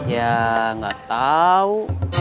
ya gak tau